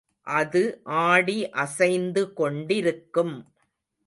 அது ஆடி அசைந்து கொண்டிருக்கும்.